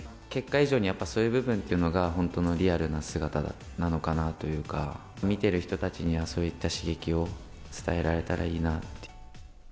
結果以上にやっぱそういう部分っていうのが本当のリアルな姿なのかなというか、見てる人たちにはそういった刺激を伝えられたらいいなって。